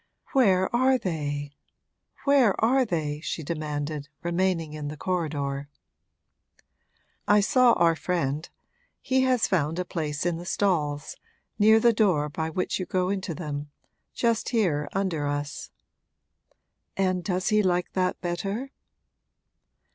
'Where are they where are they?' she demanded, remaining in the corridor. 'I saw our friend he has found a place in the stalls, near the door by which you go into them just here under us.' 'And does he like that better?'